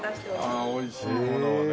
ああ美味しいものをね。